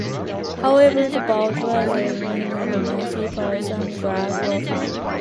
However, the boat was raided by Dominican police and drugs were found.